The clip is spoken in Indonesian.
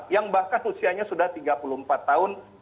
yang bahkan usianya sudah tiga puluh empat tahun